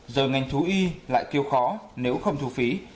giờ ngành thú y lại kêu khó nếu không thu phí